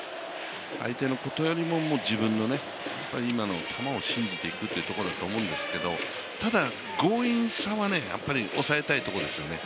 相手のことよりも自分の今の球を信じていくというところだと思うんですけどただ、強引さは抑えたいところですね。